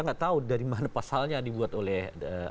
nggak tahu dari mana pasalnya dibuat oleh